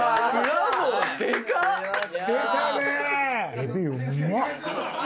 エビうまっ。